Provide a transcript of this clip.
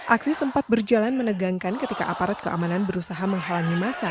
aksi sempat berjalan menegangkan ketika aparat keamanan berusaha menghalangi masa